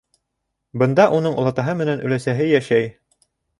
Бында уның олатаһы менән өләсәһе йәшәй.